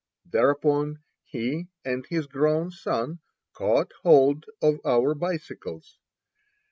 Thereupon he and his grown son caught hold of our bicycles.